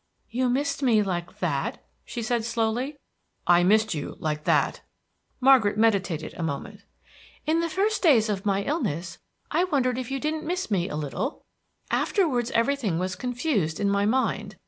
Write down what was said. "You missed me like that?" she said slowly. "I missed you like that." Margaret meditated a moment. "In the first days of my illness I wondered if you didn't miss me a little; afterwards everything was confused in my mind.